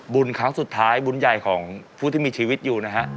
ครั้งสุดท้ายบุญใหญ่ของผู้ที่มีชีวิตอยู่นะฮะ